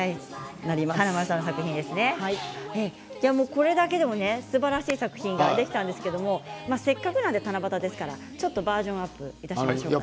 これだけでもすばらしい作品ができたんですがせっかく七夕ですからバージョンアップいたしましょう。